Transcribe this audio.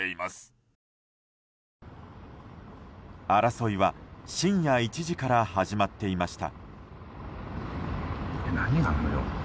争いは深夜１時から始まっていました。